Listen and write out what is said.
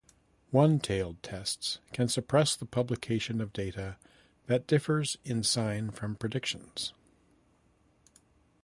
One-tailed tests can suppress the publication of data that differs in sign from predictions.